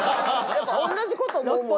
やっぱ同じ事思うもんね。